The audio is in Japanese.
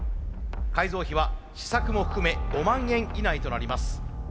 改造費は試作も含め５万円以内となります。